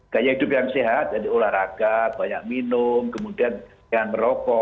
gaya hidup yang sehat jadi olahraga banyak minum kemudian dengan merokok